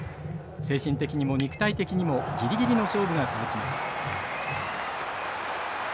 精神的にも肉体的にもギリギリの勝負が続きます。